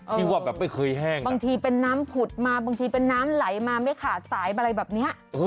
ที่ว่าแบบไม่เคยแห้งบางทีเป็นน้ำผุดมาบางทีเป็นน้ำไหลมาไม่ขาดสายอะไรแบบนี้